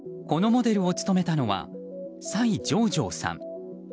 このモデルを務めたのはサイ・ジョウジョウさん。